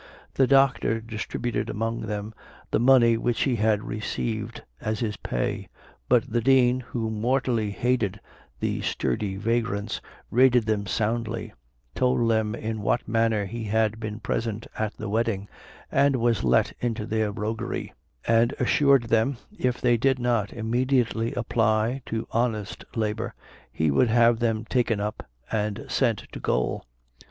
The Doctor distributed among them the money which he had received as his pay; but the Dean, who mortally hated these sturdy vagrants, rated them soundly; told them in what manner he had been present at the wedding, and was let into their roguery; and assured them, if they did not immediately apply to honest labor, he would have them taken up and sent to gaol.